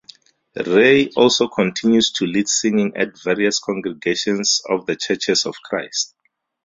Ray also continues to lead singing at various congregations of the Churches of Christ.